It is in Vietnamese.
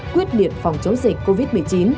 quyết liệt phòng chống dịch covid một mươi chín